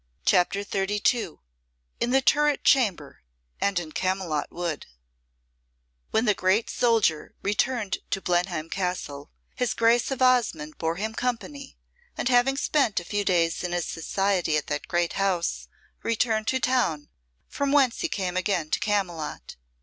CHAPTER XXXII In the Turret Chamber and in Camylott Wood When the great soldier returned to Blenheim Castle, his Grace of Osmonde bore him company and having spent a few days in his society at that great house returned to town, from whence he came again to Camylott.